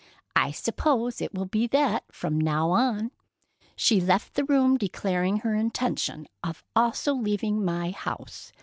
"I suppose it will be that from now on. She left the room declaring her intention of also leaving my house.